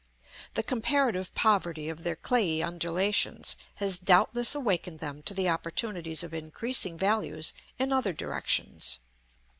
The comparative poverty of their clayey undulations has doubtless awakened them to the opportunities of increasing values in other directions.